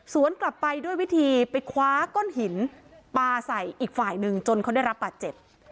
กลับไปด้วยวิธีไปคว้าก้อนหินปลาใส่อีกฝ่ายหนึ่งจนเขาได้รับบาดเจ็บ